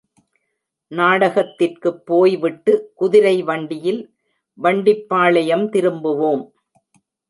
நாடகத்திற்குப் போய் விட்டு, குதிரை வண்டியில் வண்டிப்பாளையம் திரும்புவோம்.